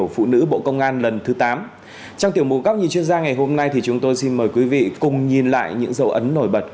phụ nữ bộ công an ngày càng tiến bộ trưởng thành về mọi mặt